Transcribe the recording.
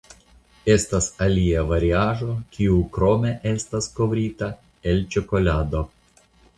Estas alia variaĵo kiu krome estas kovrita el ĉokolado.